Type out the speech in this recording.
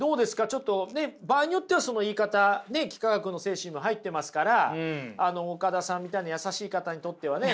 ちょっとね場合によってはその言い方幾何学の精神も入ってますから岡田さんみたいな優しい方にとってはね